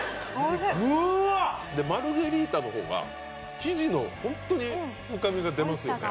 マルゲリータの方が生地の本当に深みが出ますよね。